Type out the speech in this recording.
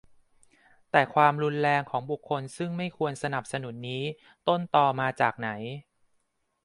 แต่ความรุนแรงของบุคคลซึ่งไม่ควรสนับสนุนนี้ ต้นตอมาจากไหน